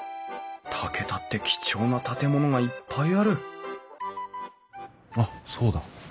竹田って貴重な建物がいっぱいあるあっそうだ。